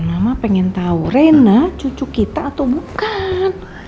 mama pengen tahu reina cucu kita atau bukan